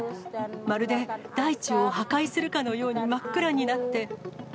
まるで大地を破壊するかのように真っ暗になって。